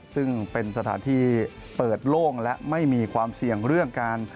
ซึ่งเป็นสถานที่เปิดโล่งและไม่มีความเสี่ยงเรื่องการ